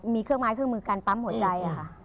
มีเครื่องไม้เครื่องมือการปั๊มหัวใจค่ะ